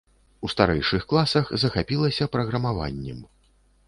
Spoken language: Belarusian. У старэйшых класах захапілася праграмаваннем.